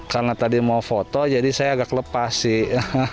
karena tadi mau foto jadi saya agak lepas sih